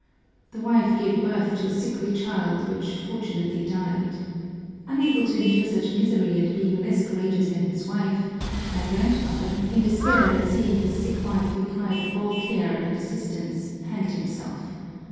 The wife gave birth to a sickly child, which fortunately died. Unable to endure such misery and being less courageous than his wife, my grandfather, in despair at seeing his sick wife deprived of all care and assistance, hanged himself.